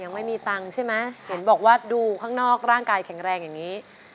ยังไม่มีตังค์ใช่ไหมเห็นบอกว่าดูข้างนอกร่างกายแข็งแรงอย่างนี้